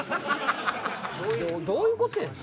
どういうことやねん！